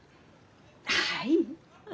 はい。